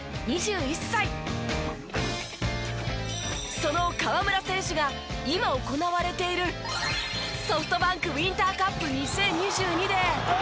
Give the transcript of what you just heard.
その河村選手が今行われているＳｏｆｔＢａｎｋウインターカップ２０２２で。